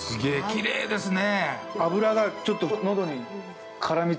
きれいですね。